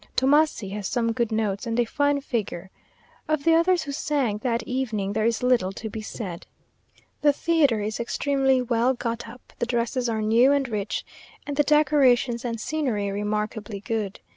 Tomassi has some good notes, and a fine figure. Of the others who sang that evening there is little to be said. The theatre is extremely well got up, the dresses are new and rich, and the decorations and scenery remarkably good.